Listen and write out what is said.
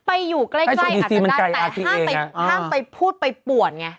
ไปอยู่ใกล้อาจจะได้แต่ห้ามไปห้ามไปพูดไปป่วนไง